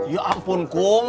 ya ampun kum